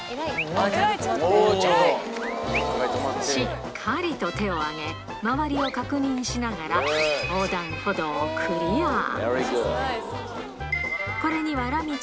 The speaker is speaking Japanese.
しっかりと手を挙げ、周りを確認しながら横断歩道をクリア。